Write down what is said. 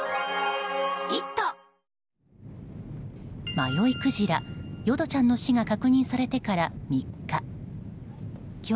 迷いクジラ、淀ちゃんの死が確認されたから３日。